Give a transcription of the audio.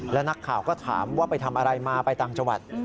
แล้วนักข่าวก็ถามว่าไปทำอะไรมาไปต่างจังหวัด